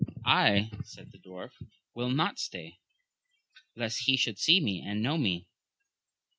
I, said the dwarf, will not stay, lest he should see and know me.